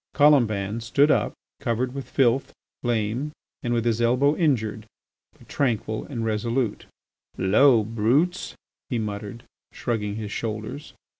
Colomban stood up, covered with filth, lame, and with his elbow injured, but tranquil and resolute. "Low brutes," he muttered, shrugging his shoulders.